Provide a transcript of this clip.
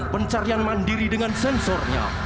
pencarian mandiri dengan sensornya